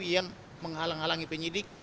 yang menghalangi penyidik